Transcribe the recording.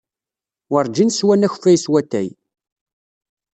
Werjin swiɣ akeffay s watay.